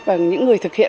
và những người thực hiện